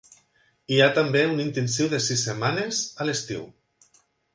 Hi ha també un intensiu de sis setmanes a l'estiu.